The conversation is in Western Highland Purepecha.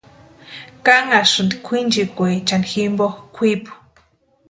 Kanhasïnti kwʼinchikwechani jimpo kwʼipu.